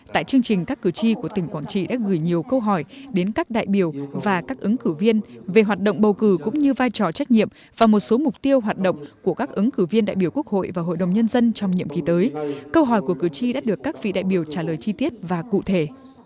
tại chương trình các cử tri của tỉnh quảng trị đã gửi nhiều câu hỏi đến các đại biểu và các ứng cử viên về hoạt động bầu cử cũng như vai trò trách nhiệm và một số mục tiêu hoạt động của các ứng cử viên đại biểu quốc hội và hội đồng nhân dân trong nhiệm kỳ tới câu hỏi của cử tri đã được các vị đại biểu trả lời chi tiết và cụ thể